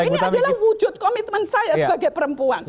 ini adalah wujud komitmen saya sebagai perempuan